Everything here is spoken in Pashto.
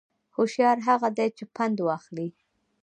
هوشیار هغه دی چې پند واخلي